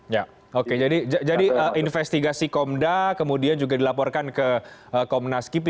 ya oke jadi investigasi komda kemudian juga dilaporkan ke komnas kipi